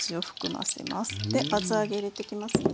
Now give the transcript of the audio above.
で厚揚げ入れてきますね。